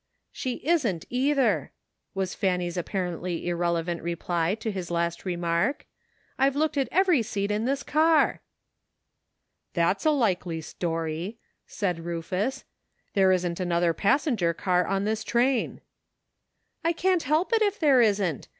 "She isn't either," was Fanny's apparently irrelevant reply to his last remark. " I've looked at every seat in this car.''' "That's a likely story!'' t?aid Rufus. "There isn't another passenger car en this train." " I can't help i*^ if there isn't.